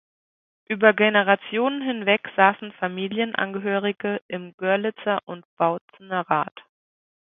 Über Generationen hinweg saßen Familienangehörige im Görlitzer und Bautzener Rat.